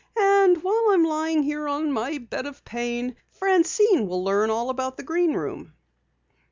And while I'm lying here on my bed of pain, Francine will learn all about the Green Room."